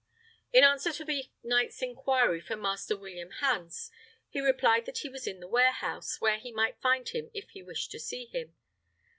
In answer to the knight's inquiry for Master William Hans, he replied that he was in the warehouse, where he might find him if he wished to see him.